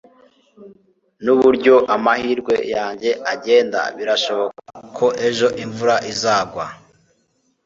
Nuburyo amahirwe yanjye agenda birashoboka ko ejo imvura izagwa